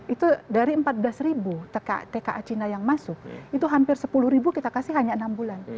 itu dari empat belas ribu tka cina yang masuk itu hampir sepuluh ribu kita kasih hanya enam bulan